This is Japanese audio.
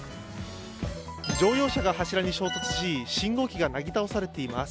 乗用車が柱に衝突し信号機がなぎ倒されています。